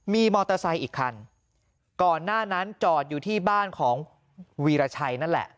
มีมอเตอร์ไซค์อีกคันก่อนหน้านั้นจอดอยู่ที่บ้านของวีรชัยนั่นแหละ